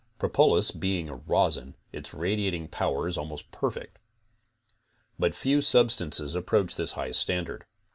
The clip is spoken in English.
Propolis, being a rosin its radiating power is almost perfect. But few substances approach this high standard.